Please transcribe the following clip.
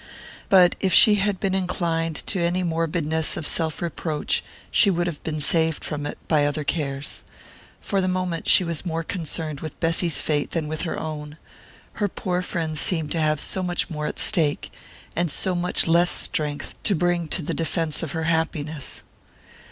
But if she had been inclined to any morbidness of self reproach she would have been saved from it by other cares. For the moment she was more concerned with Bessy's fate than with her own her poor friend seemed to have so much more at stake, and so much less strength to bring to the defence of her happiness.